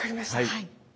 はい。